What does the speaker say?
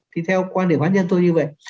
thì theo quan điểm hóa nhân tôi như vậy